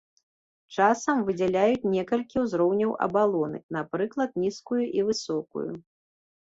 Часам выдзяляюць некалькі ўзроўняў абалоны, напрыклад нізкую і высокую.